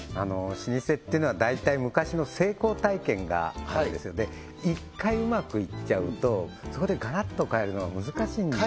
老舗っていうのは大体昔の成功体験があるんですよ一回うまくいっちゃうとそこでガラッと変えるのは難しいんですよ